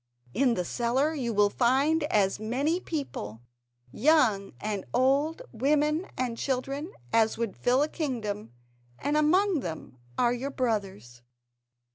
In the cellar you will find as many people, young and old, women and children, as would fill a kingdom, and among them are your brothers."